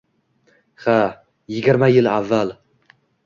— Ha, yigirma yil avval.